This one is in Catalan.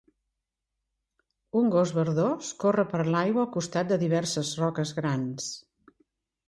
Un gos verdós corre per l'aigua al costat de diverses roques grans.